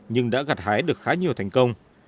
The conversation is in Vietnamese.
nhưng đã gặt hái được khá nhiều thành công